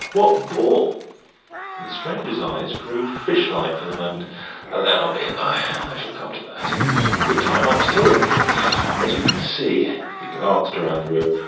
"What brought " The stranger's eyes grew fish like for the moment. "Allow me, I I shall come to that in good time. I am still a little as you can see." He glanced round the room.